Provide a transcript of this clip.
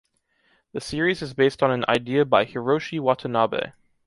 The series is based on an idea by Hiroshi Watanabe.